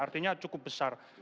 artinya cukup besar